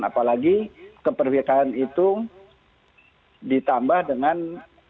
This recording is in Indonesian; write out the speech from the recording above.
apalagi keperbiayaan itu ditambah dengan penggunaan